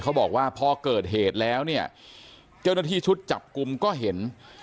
เขาบอกว่าพอเกิดเหตุแล้วเนี่ยเจ้าหน้าที่ชุดจับกลุ่มก็เห็น